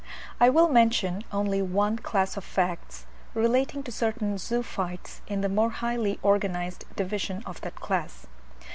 I will mention only one class of facts, relating to certain zoophytes in the more highly organized division of that class.